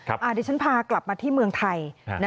เดี๋ยวฉันพากลับมาที่เมืองไทย